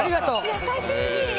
優しい！